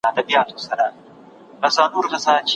موټر چلونکي د ډېر انتظار له امله خپله ستړې ډډه چوکۍ ته ولګوله.